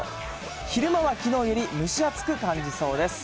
昼間はきのうより蒸し暑く感じそうです。